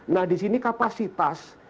nah disini kapasitas